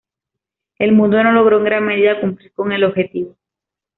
El mundo no logró en gran medida cumplir con el objetivo.